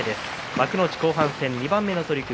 幕内、後半戦２番目の取組